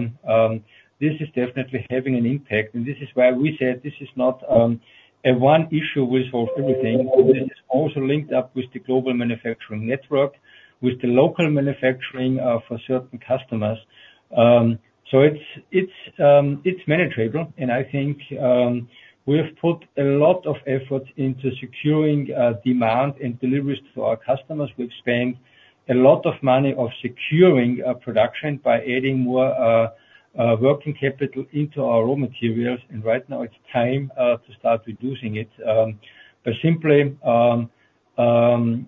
this is definitely having an impact, and this is why we said this is not a one issue will solve everything. It is also linked up with the global manufacturing network, with the local manufacturing for certain customers. So it's manageable, and I think we have put a lot of effort into securing demand and deliveries to our customers. We've spent a lot of money on securing production by adding more working capital into our raw materials, and right now it's time to start reducing it. But simply, further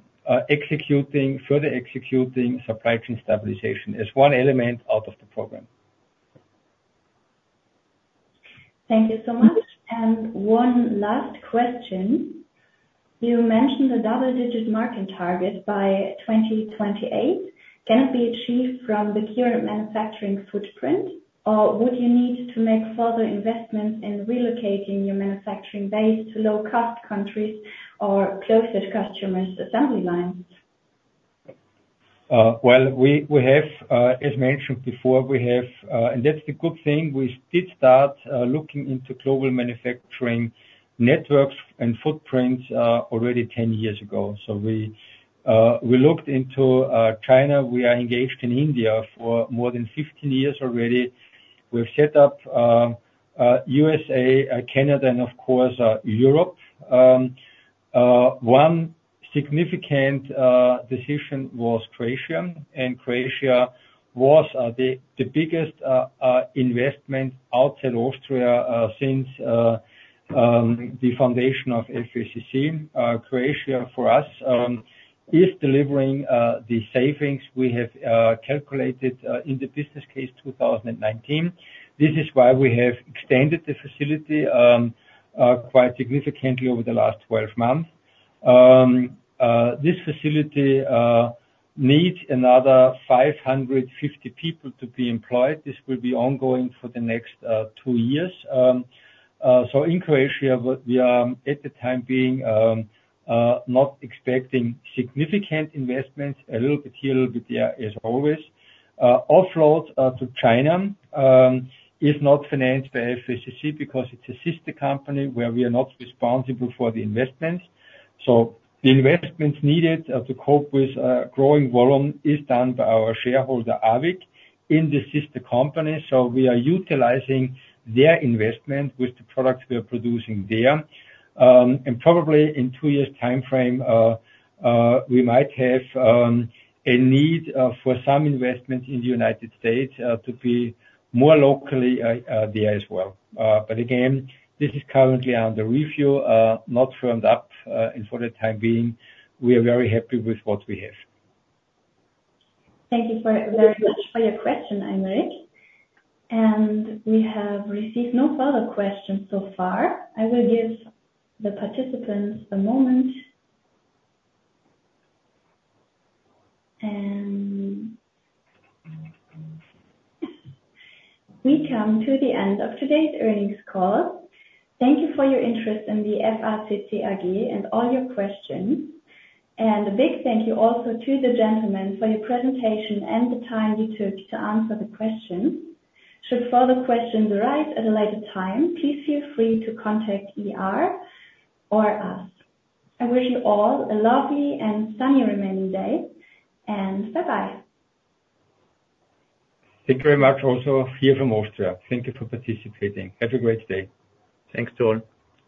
executing supply chain stabilization is one element out of the program. Thank you so much. One last question: You mentioned a double-digit margin target by 2028. Can it be achieved from the current manufacturing footprint, or would you need to make further investments in relocating your manufacturing base to low-cost countries or closer to customers' assembly lines? Well, we have, as mentioned before, we have. And that's the good thing. We did start looking into global manufacturing networks and footprints already 10 years ago. So we looked into China. We are engaged in India for more than 15 years already. We've set up USA, Canada, and of course Europe. One significant decision was Croatia, and Croatia was the biggest investment outside Austria since the foundation of FACC. Croatia, for us, is delivering the savings we have calculated in the business case 2019. This is why we have extended the facility quite significantly over the last 12 months. This facility needs another 550 people to be employed. This will be ongoing for the next two years. So in Croatia, we are, at the time being, not expecting significant investments. A little bit here, a little bit there, as always. Offloads to China is not financed by FACC because it's a sister company where we are not responsible for the investments. So the investments needed to cope with growing volume is done by our shareholder, AVIC, in the sister company. So we are utilizing their investment with the products we are producing there. And probably in two years' time frame, we might have a need for some investment in the United States to be more locally there as well. But again, this is currently under review, not firmed up, and for the time being, we are very happy with what we have. Thank you, very much, for your question, Emeric. We have received no further questions so far. I will give the participants a moment. We come to the end of today's earnings call. Thank you for your interest in the FACC AG and all your questions. A big thank you also to the gentlemen for your presentation and the time you took to answer the questions. Should further questions arise at a later time, please feel free to contact IR or us. I wish you all a lovely and sunny remaining day, and bye-bye. Thank you very much also here from Austria. Thank you for participating. Have a great day. Thanks to all.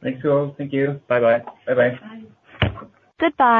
Thanks to all. Thank you. Bye-bye. Bye-bye. Bye. Goodbye.